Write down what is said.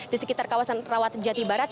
di sekitar kawasan rawajati barat